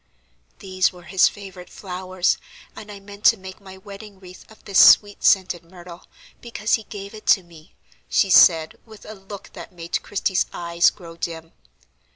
"These were his favorite flowers, and I meant to make my wedding wreath of this sweet scented myrtle, because he gave it to me," she said, with a look that made Christie's eyes grow dim.